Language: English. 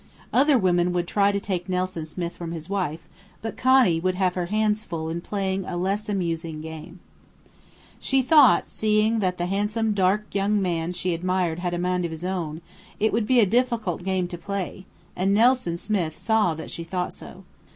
Other women would try to take Nelson Smith from his wife, but Connie would have her hands full in playing a less amusing game. She thought, seeing that the handsome, dark young man she admired had a mind of his own, it would be a difficult game to play; and Nelson Smith saw that she thought so.